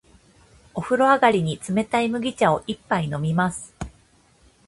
お風呂上がりに、冷たい麦茶を一杯飲みます。